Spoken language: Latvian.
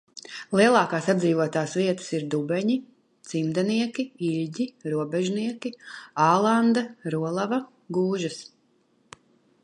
Lielākās apdzīvotās vietas ir Dubeņi, Cimdenieki, Iļģi, Robežnieki, Ālande, Rolava, Gūžas.